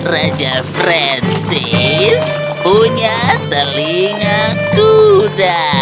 raja francis punya telinga kuda